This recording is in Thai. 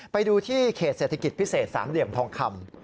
ไปดูที่เขตเศรษฐกิจพิเศษสามเหลี่ยมทองคำ